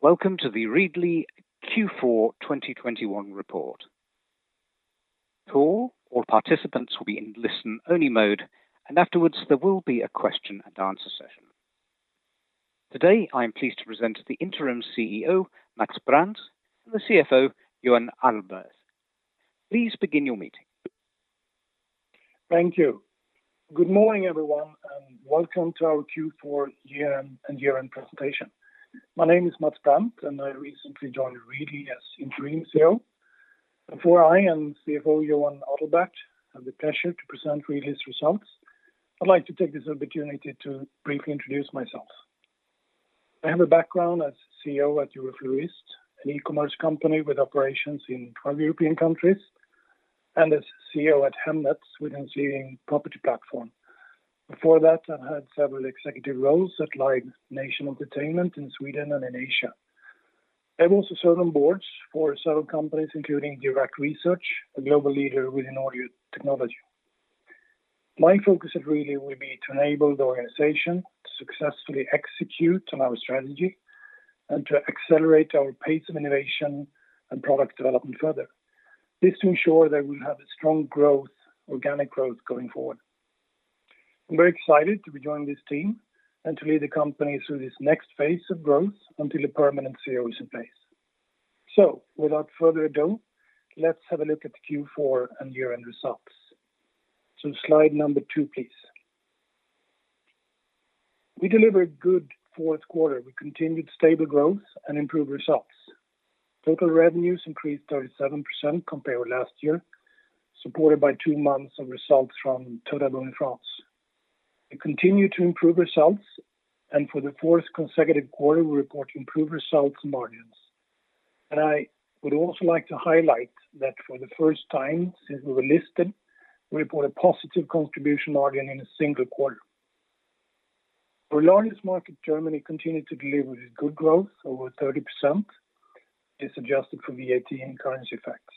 Welcome to the Readly Q4 2021 report. All participants will be in listen-only mode, and afterwards there will be a question and answer session. Today, I am pleased to present the Interim CEO, Mats Brandt, and the CFO, Johan Adalberth. Please begin your meeting. Thank you. Good morning, everyone, and welcome to our Q4 year and year-end presentation. My name is Mats Brandt, and I recently joined Readly as Interim CEO. Before I and CFO Johan Adalberth have the pleasure to present Readly's results, I'd like to take this opportunity to briefly introduce myself. I have a background as CEO at Euroflorist, an e-commerce company with operations in 12 European countries, and as CEO at Hemnet, Sweden's leading property platform. Before that, I had several executive roles at Live Nation Entertainment in Sweden and in Asia. I've also served on boards for several companies, including Dirac Research, a global leader within audio technology. My focus at Readly will be to enable the organization to successfully execute on our strategy and to accelerate our pace of innovation and product development further. This to ensure that we have a strong growth, organic growth going forward. I'm very excited to be joining this team and to lead the company through this next phase of growth until a permanent CEO is in place. Without further ado, let's have a look at Q4 and year-end results. Slide 2, please. We delivered good fourth quarter. We continued stable growth and improved results. Total revenues increased 37% compared with last year, supported by two months of results from Toutabo in France. We continue to improve results, and for the fourth consecutive quarter, we report improved results from margins. I would also like to highlight that for the first time since we were listed, we report a positive contribution margin in a single quarter. Our largest market, Germany, continued to deliver good growth, over 30% adjusted for VAT and currency effects.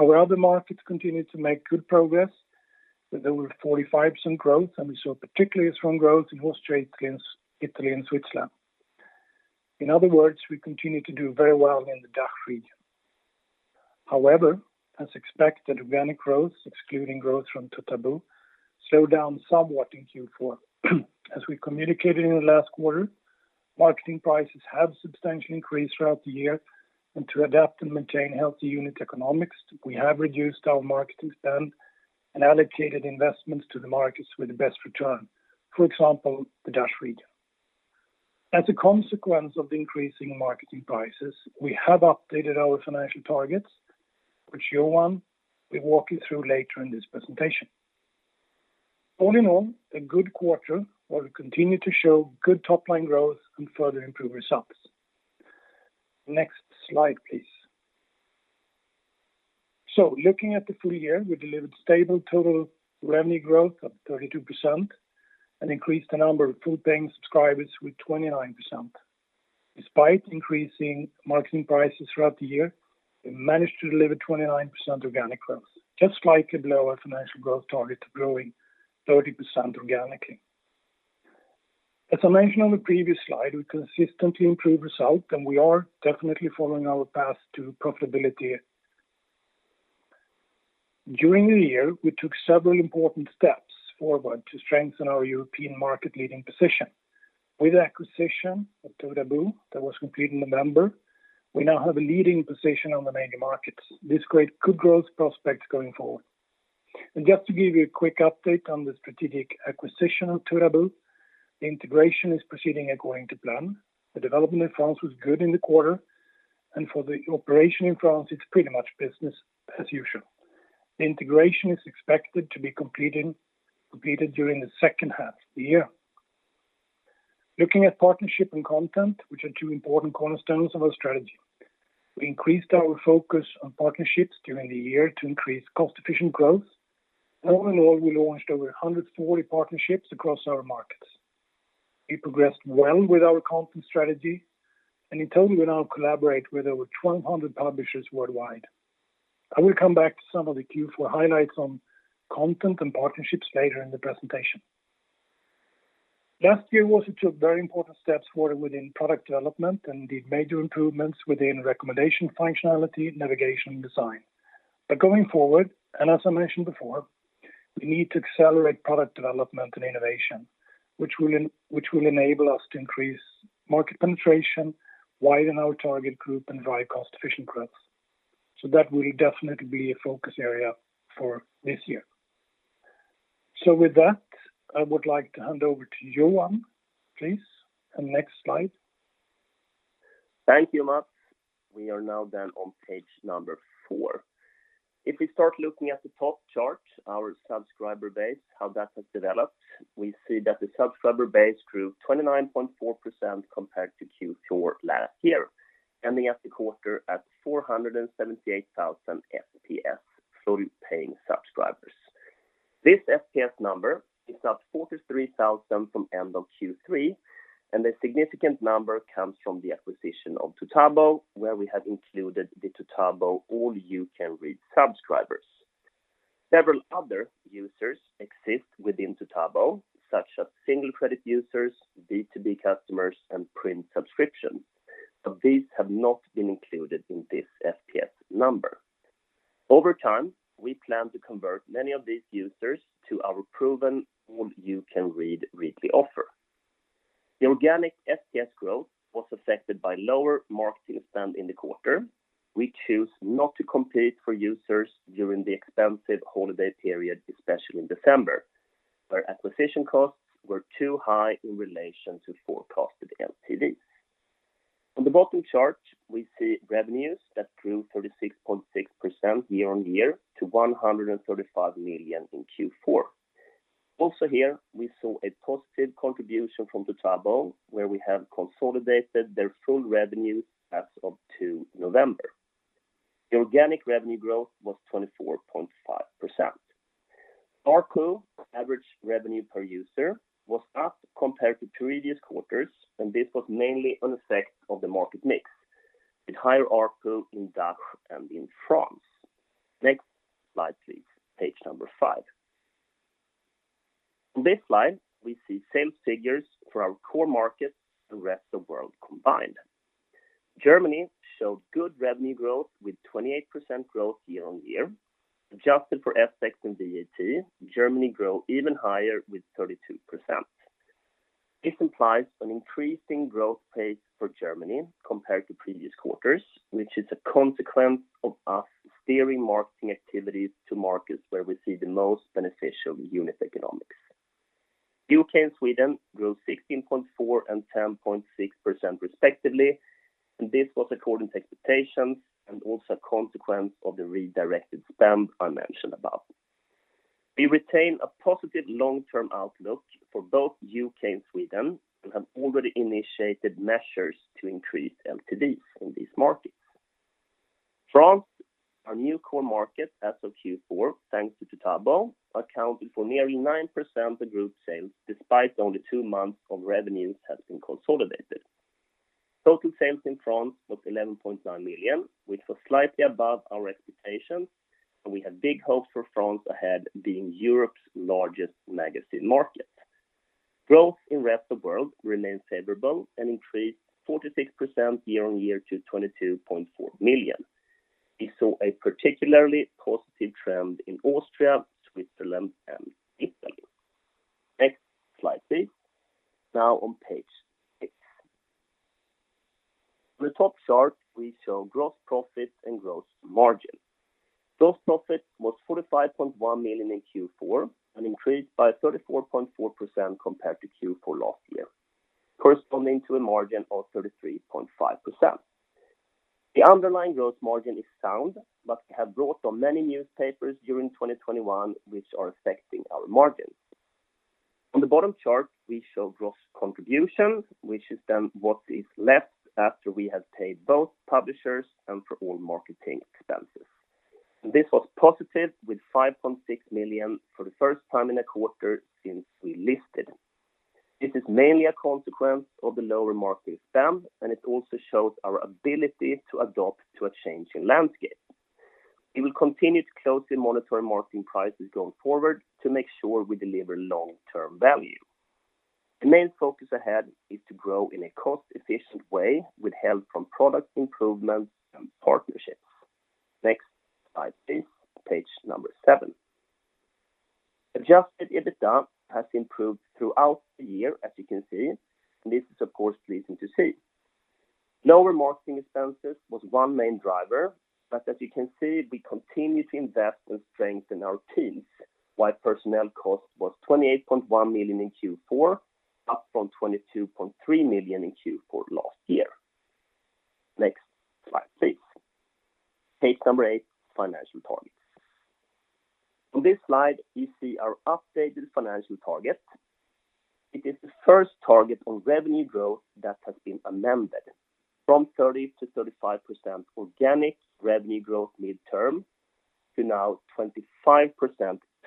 Our other markets continued to make good progress with over 45% growth, and we saw particularly strong growth in Austria, Italy, and Switzerland. In other words, we continue to do very well in the DACH region. However, as expected, organic growth, excluding growth from Toutabo, slowed down somewhat in Q4. As we communicated in the last quarter, marketing prices have substantially increased throughout the year, and to adapt and maintain healthy unit economics, we have reduced our marketing spend and allocated investments to the markets with the best return. For example, the DACH region. As a consequence of the increasing marketing prices, we have updated our financial targets, which Johan will walk you through later in this presentation. All in all, a good quarter where we continue to show good top line growth and further improve results. Next slide, please. Looking at the full year, we delivered stable total revenue growth of 32% and increased the number of full-paying subscribers with 29%. Despite increasing marketing prices throughout the year, we managed to deliver 29% organic growth, just slightly below our financial growth target growing 30% organically. As I mentioned on the previous slide, we consistently improve results, and we are definitely following our path to profitability. During the year, we took several important steps forward to strengthen our European market-leading position. With the acquisition of Toutabo that was completed in November, we now have a leading position on the major markets. This create good growth prospects going forward. Just to give you a quick update on the strategic acquisition of Toutabo, the integration is proceeding according to plan. The development in France was good in the quarter, and for the operation in France, it's pretty much business as usual. The integration is expected to be completed during the second half of the year. Looking at partnership and content, which are two important cornerstones of our strategy, we increased our focus on partnerships during the year to increase cost-efficient growth. All in all, we launched over 140 partnerships across our markets. We progressed well with our content strategy, and in total, we now collaborate with over 1,200 publishers worldwide. I will come back to some of the Q4 highlights on content and partnerships later in the presentation. Last year, we also took very important steps forward within product development and did major improvements within recommendation functionality, navigation, and design. Going forward, and as I mentioned before, we need to accelerate product development and innovation, which will enable us to increase market penetration, widen our target group, and drive cost-efficient growth. That will definitely be a focus area for this year. With that, I would like to hand over to Johan, please. Next slide. Thank you, Mats. We are now on Page number 4. If we start looking at the top chart, our subscriber base, how that has developed, we see that the subscriber base grew 29.4% compared to Q4 last year, ending the quarter at 478,000 FPS, fully paying subscribers. This FPS number is up 43,000 from end of Q3, and the significant number comes from the acquisition of Toutabo, where we have included the Toutabo all-you-can-read subscribers. Several other users exist within Toutabo, such as single credit users, B2B customers, and print subscription. These have not been included in this FPS number. Over time, we plan to convert many of these users to our proven all-you-can-read Readly offer. The organic FPS growth was affected by lower marketing spend in the quarter. We choose not to compete for users during the expensive holiday period, especially in December, where acquisition costs were too high in relation to forecasted LTV. On the bottom chart, we see revenues that grew 36.6% year-over-year to 135 million in Q4. Also here, we saw a positive contribution from Toutabo, where we have consolidated their full revenue as of 1 November. The organic revenue growth was 24.5%. ARPU, average revenue per user, was up compared to previous quarters, and this was mainly an effect of the market mix with higher ARPU in DACH and in France. Next slide, please. Page number 5. On this slide, we see sales figures for our core markets and Rest of World combined. Germany showed good revenue growth with 28% growth year-over-year. Adjusted for FX and VAT, Germany grow even higher with 32%. This implies an increasing growth pace for Germany compared to previous quarters, which is a consequence of us steering marketing activities to markets where we see the most beneficial unit economics. U.K. and Sweden grew 16.4% and 10.6% respectively, and this was according to expectations and also a consequence of the redirected spend I mentioned about. We retain a positive long-term outlook for both U.K. and Sweden and have already initiated measures to increase LTVs in these markets. France, our new core market as of Q4, thanks to Toutabo, accounted for nearly 9% of group sales, despite only two months of revenues have been consolidated. Total sales in France was 11.9 million, which was slightly above our expectations, and we have big hopes for France ahead being Europe's largest magazine market. Growth in Rest of World remained favorable and increased 46% year-on-year to 22.4 million. We saw a particularly positive trend in Austria, Switzerland, and Italy. Next slide, please. Now on Page 6. On the top chart, we show gross profit and gross margin. Gross profit was 45.1 million in Q4 and increased by 34.4% compared to Q4 last year, corresponding to a margin of 33.5%. The underlying gross margin is sound, but we have brought on many newspapers during 2021 which are affecting our margins. On the bottom chart, we show gross contribution, which is then what is left after we have paid both publishers and for all marketing expenses. This was positive with 5.6 million for the first time in a quarter since we listed. This is mainly a consequence of the lower marketing spend, and it also shows our ability to adapt to a changing landscape. We will continue to closely monitor marketing prices going forward to make sure we deliver long-term value. The main focus ahead is to grow in a cost-efficient way with help from product improvements and partnerships. Next slide, please. Page number 7. Adjusted EBITDA has improved throughout the year, as you can see, and this is, of course, pleasing to see. Lower marketing expenses was one main driver, but as you can see, we continue to invest and strengthen our teams, while personnel cost was 28.1 million in Q4, up from 22.3 million in Q4 last year. Next slide, please. Page number 8, financial targets. On this slide, you see our updated financial target. It is the first target on revenue growth that has been amended from 30%-35% organic revenue growth midterm to now 25%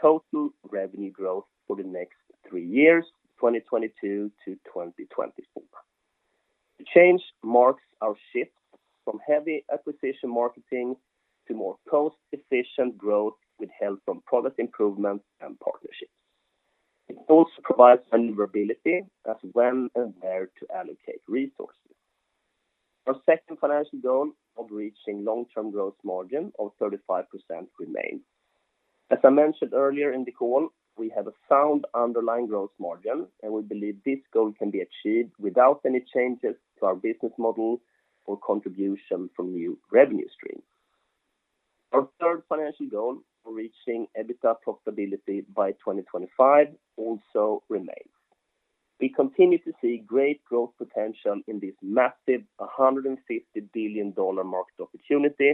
total revenue growth for the next three years, 2022- 2024. The change marks our shift from heavy acquisition marketing to more cost-efficient growth with help from product improvements and partnerships. It also provides maneuverability as when and where to allocate resources. Our second financial goal of reaching long-term gross margin of 35% remains. As I mentioned earlier in the call, we have a sound underlying gross margin, and we believe this goal can be achieved without any changes to our business model or contribution from new revenue streams. Our third financial goal, reaching EBITDA profitability by 2025, also remains. We continue to see great growth potential in this massive $150 billion market opportunity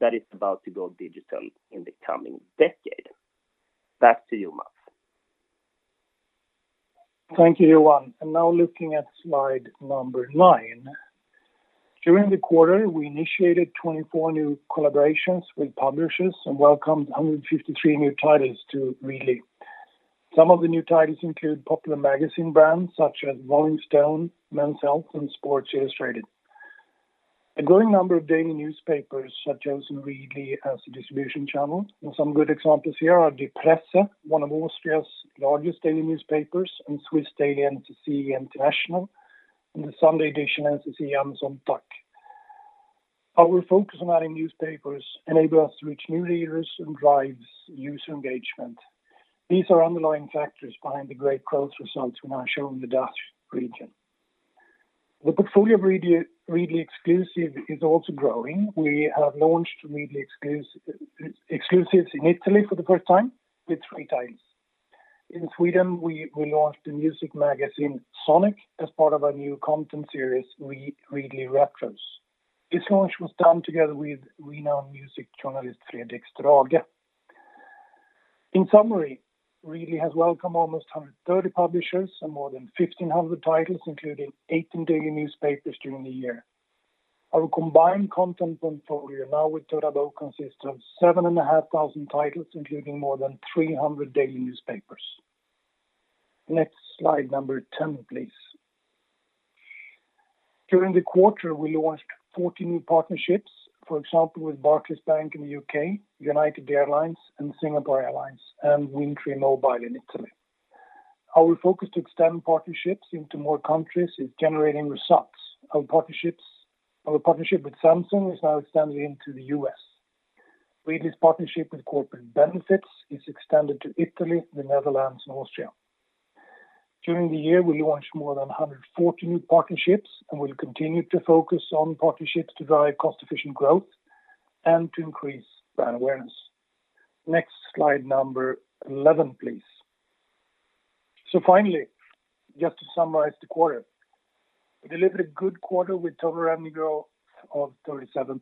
that is about to go digital in the coming decade. Back to you, Mats. Thank you, Johan. Now looking at slide number nine. During the quarter, we initiated 24 new collaborations with publishers and welcomed 153 new titles to Readly. Some of the new titles include popular magazine brands such as Rolling Stone, Men's Health, and Sports Illustrated. A growing number of daily newspapers have chosen Readly as a distribution channel. Some good examples here are Die Presse, one of Austria's largest daily newspapers, and Swiss daily NZZ, and the Sunday edition NZZ am Sonntag. Our focus on adding newspapers enable us to reach new readers and drives user engagement. These are underlying factors behind the great growth results we're now showing in the DACH region. The portfolio of Readly Exclusives is also growing. We have launched Readly Exclusives in Italy for the first time with three titles. In Sweden, we launched the music magazine Sonic as part of our new content series, Readly Retros. This launch was done together with renowned music journalist Fredrik Strage. In summary, Readly has welcomed almost 130 publishers and more than 1,500 titles, including 18 daily newspapers during the year. Our combined content portfolio now with Toutabo consists of 7,500 titles, including more than 300 daily newspapers. Next Slide, number 10, please. During the quarter, we launched 40 new partnerships, for example, with Barclays Bank in the U.K., United Airlines and Singapore Airlines, and WindTre Mobile in Italy. Our focus to extend partnerships into more countries is generating results. Our partnership with Samsung is now extending into the U.S. Readly's partnership with Corporate Benefits is extended to Italy, the Netherlands, and Austria. During the year, we launched more than 114 new partnerships, and we'll continue to focus on partnerships to drive cost-efficient growth and to increase brand awareness. Next Slide, number 11, please. Finally, just to summarize the quarter. We delivered a good quarter with total revenue growth of 37%.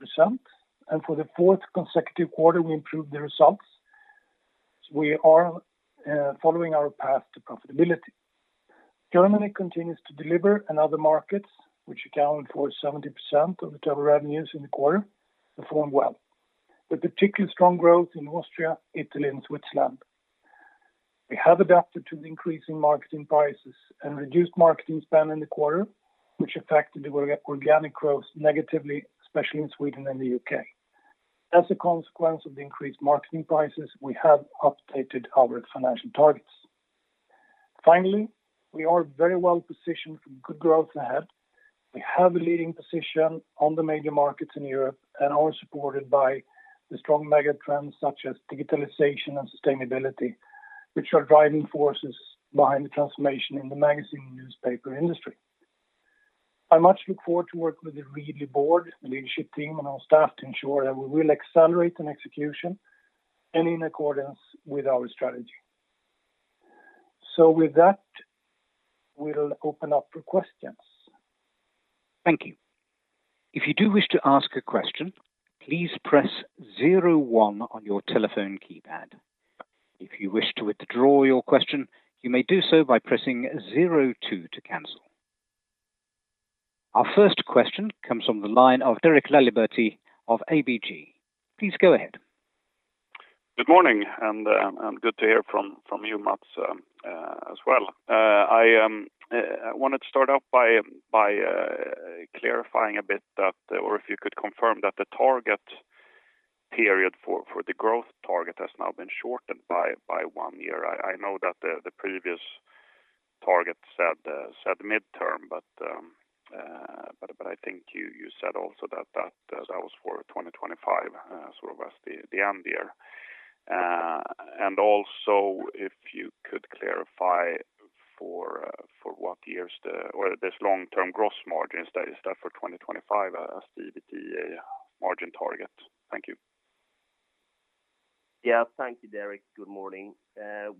For the fourth consecutive quarter, we improved the results. We are following our path to profitability. Germany continues to deliver and other markets, which account for 70% of the total revenues in the quarter, performed well, with particular strong growth in Austria, Italy, and Switzerland. We have adapted to the increase in marketing prices and reduced marketing spend in the quarter, which affected the organic growth negatively, especially in Sweden and the U.K. As a consequence of the increased marketing prices, we have updated our financial targets. Finally, we are very well-positioned for good growth ahead. We have a leading position on the major markets in Europe and are supported by the strong mega trends, such as digitalization and sustainability, which are driving forces behind the transformation in the magazine newspaper industry. I much look forward to work with the Readly board, the leadership team, and our staff to ensure that we will accelerate on execution and in accordance with our strategy. With that, we'll open up for questions. Thank you. If you do wish to ask a question, please press zero one on your telephone keypad. If you wish to withdraw your question, you may do so by pressing zero two to cancel. Our first question comes from the line of Derek Lalibert`e of ABG. Please go ahead. Good morning, and good to hear from you, Mats, as well. I wanted to start off by clarifying a bit that, or if you could confirm that the target period for the growth target has now been shortened by one year. I know that the previous target said midterm, but I think you said also that that was for 2025, sort of as the end year. Also, if you could clarify for what years or this long-term gross margins, that is for 2025 as the margin target. Thank you. Yeah. Thank you, Derek. Good morning. Well,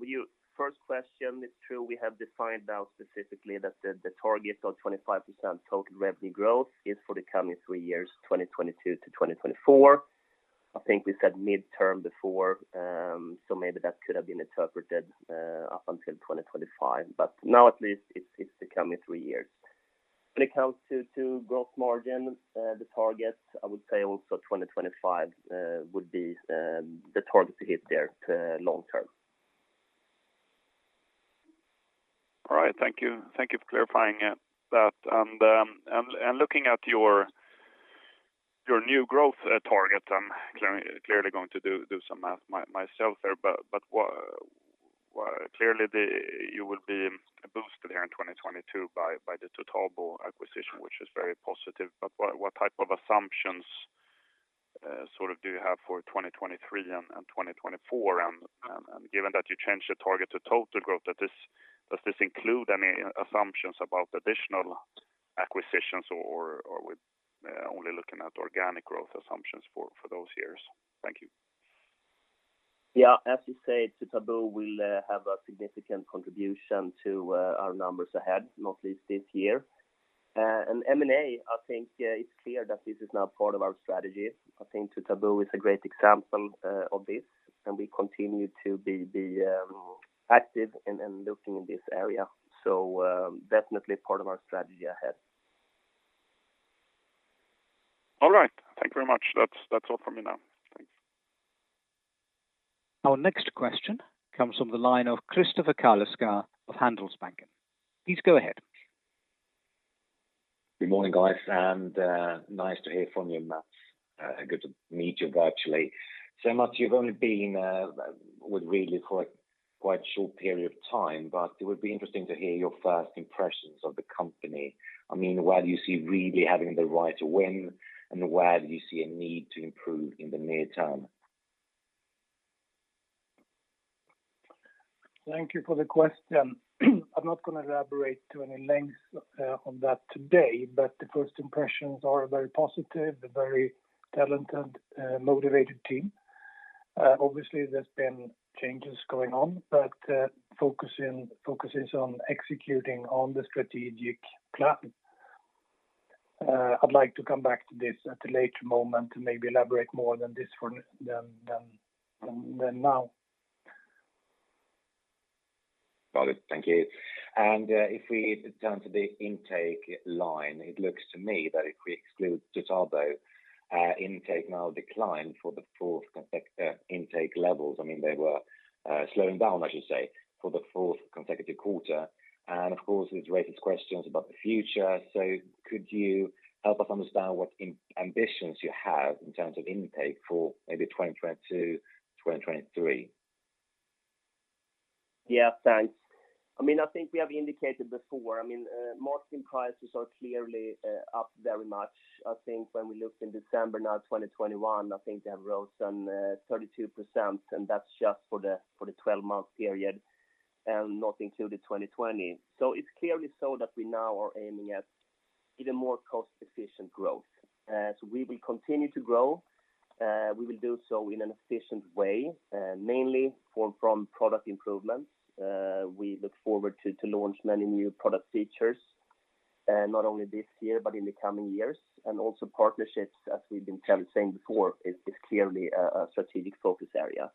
your first question, it's true, we have defined now specifically that the target of 25% total revenue growth is for the coming three years, 2022-2024. I think we said midterm before, so maybe that could have been interpreted up until 2025. Now at least it's the coming three years. When it comes to gross margin, the target, I would say also 2025 would be the target to hit there long term. All right. Thank you. Thank you for clarifying it. Looking at your new growth targets, I'm clearly going to do some math myself there. But clearly, you will be boosted there in 2022 by the Toutabo acquisition, which is very positive. What type of assumptions sort of do you have for 2023 and 2024? Given that you changed the target to total growth, does this include any assumptions about additional acquisitions, or are we only looking at organic growth assumptions for those years? Thank you. Yeah. As you said, Toutabo will have a significant contribution to our numbers ahead, not least this year. M&A, I think, it's clear that this is now part of our strategy. I think Toutabo is a great example of this, and we continue to be active in looking in this area, so definitely part of our strategy ahead. All right. Thank you very much. That's all from me now. Our next question comes from the line of Christopher Carlsson of Handelsbanken. Please go ahead. Good morning, guys, and, nice to hear from you, Mats. Good to meet you virtually. Mats, you've only been with Readly for quite short period of time, but it would be interesting to hear your first impressions of the company. I mean, where do you see Readly having the right to win, and where do you see a need to improve in the near term? Thank you for the question. I'm not gonna elaborate to any length on that today, but the first impressions are very positive, a very talented, motivated team. Obviously there's been changes going on, but focus is on executing on the strategic plan. I'd like to come back to this at a later moment to maybe elaborate more than this than now. Got it. Thank you. If we turn to the intake line, it looks to me that if we exclude Toutabo, intake now declined for the fourth intake levels. I mean, they were slowing down, I should say, for the fourth consecutive quarter. Of course, it raises questions about the future. Could you help us understand what ambitions you have in terms of intake for maybe 2022, 2023? Yeah, thanks. I mean, I think we have indicated before. I mean, marketing prices are clearly up very much. I think when we looked in December 2021, I think they have rose some 32%, and that's just for the 12-month period, not including 2020. It's clearly so that we now are aiming at even more cost-efficient growth. We will continue to grow. We will do so in an efficient way, mainly from product improvements. We look forward to launch many new product features, not only this year, but in the coming years. Also partnerships, as we've been saying before, is clearly a strategic focus area.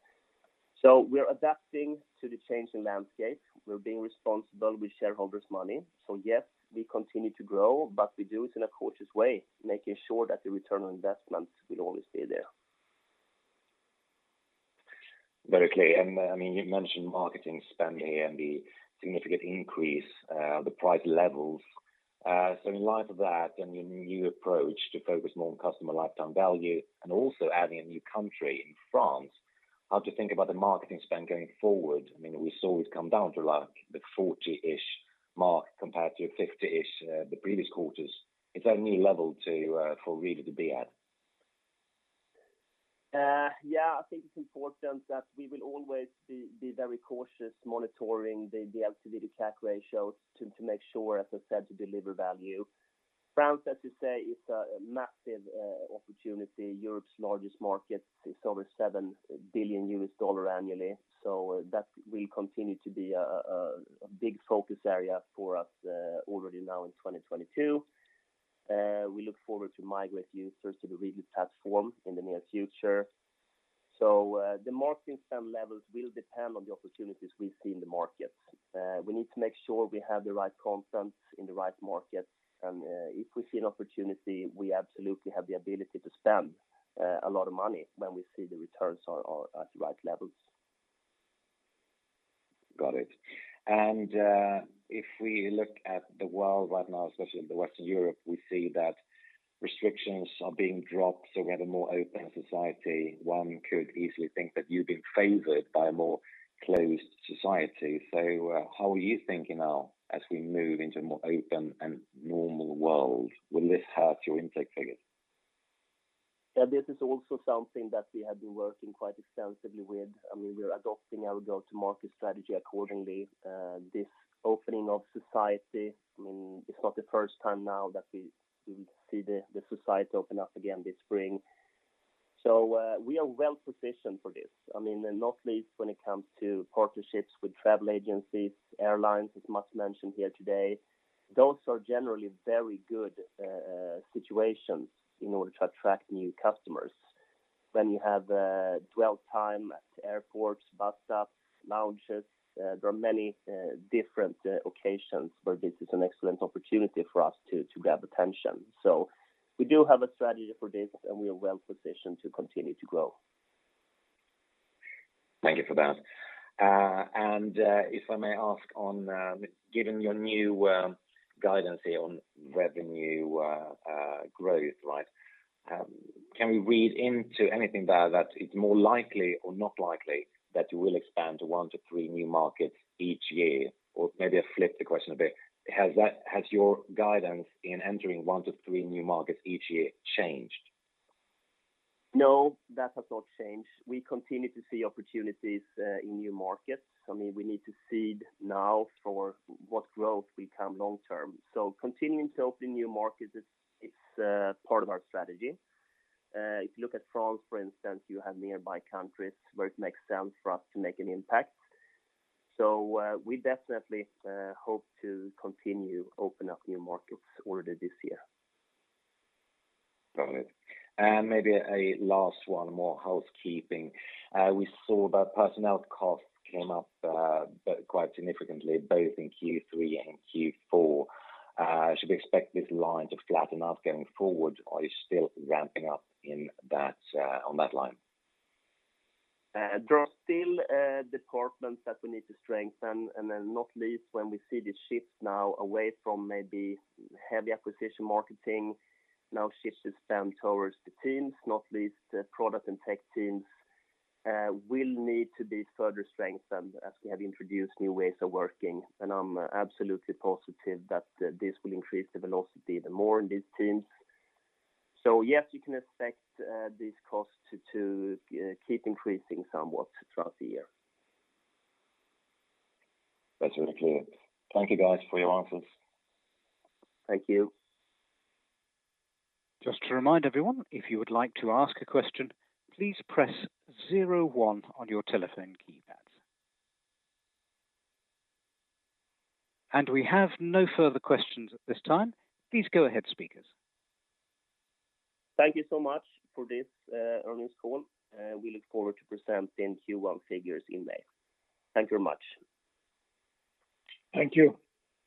We're adapting to the changing landscape. We're being responsible with shareholders' money. Yes, we continue to grow, but we do it in a cautious way, making sure that the return on investment will always be there. Very clear. I mean, you mentioned marketing spend here and the significant increase, the price levels. In light of that and your new approach to focus more on customer lifetime value and also adding a new country in France, how to think about the marketing spend going forward? I mean, we saw it come down to like the 40-ish mark compared to 50-ish, the previous quarters. Is that a new level to for Readly to be at? I think it's important that we will always be very cautious monitoring the LTV to CAC ratio to make sure, as I said, to deliver value. France, as you say, is a massive opportunity. Europe's largest market is over $7 billion annually. That will continue to be a big focus area for us already now in 2022. We look forward to migrate users to the Readly platform in the near future. The marketing spend levels will depend on the opportunities we see in the market. We need to make sure we have the right content in the right market. If we see an opportunity, we absolutely have the ability to spend a lot of money when we see the returns are at the right levels. Got it. If we look at the world right now, especially in Western Europe, we see that restrictions are being dropped, so we have a more open society. One could easily think that you've been favored by a more closed society. How are you thinking now as we move into a more open and normal world? Will this hurt your intake figures? Yeah, this is also something that we have been working quite extensively with. I mean, we are adopting our go-to-market strategy accordingly. This opening of society, I mean, it's not the first time now that we see the society open up again this spring. We are well-positioned for this. I mean, and not least when it comes to partnerships with travel agencies, airlines, as Mats mentioned here today. Those are generally very good situations in order to attract new customers. When you have dwell time at airports, bus stops, lounges, there are many different occasions where this is an excellent opportunity for us to grab attention. We do have a strategy for this, and we are well-positioned to continue to grow. Thank you for that. If I may ask on, given your new, guidance here on revenue, growth, right? Can we read into anything there that it's more likely or not likely that you will expand to one to three new markets each year? Maybe I flip the question a bit. Has your guidance in entering one to three new markets each year changed? No, that has not changed. We continue to see opportunities in new markets. I mean, we need to seed now for what growth become long term. Continuing to open new markets is part of our strategy. If you look at France, for instance, you have nearby countries where it makes sense for us to make an impact. We definitely hope to continue open up new markets already this year. Got it. Maybe a last one, more housekeeping. We saw that personnel costs came up quite significantly both in Q3 and Q4. Should we expect this line to flatten out going forward, or are you still ramping up in that, on that line? There are still departments that we need to strengthen, and then not least when we see the shift now away from maybe heavy acquisition marketing now shifts the spend towards the teams, not least the product and tech teams, will need to be further strengthened as we have introduced new ways of working. I'm absolutely positive that this will increase the velocity the more in these teams. Yes, you can expect these costs to keep increasing somewhat throughout the year. That's really clear. Thank you guys for your answers. Thank you. Just to remind everyone, if you would like to ask a question, please press zero one on your telephone keypads. We have no further questions at this time. Please go ahead, speakers. Thank you so much for this, earnings call. We look forward to presenting Q1 figures in May. Thank you very much. Thank you.